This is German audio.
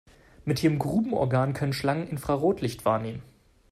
Mit ihrem Grubenorgan können Schlangen Infrarotlicht wahrnehmen.